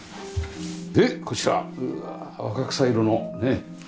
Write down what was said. でこちらうわあ若草色のねえ。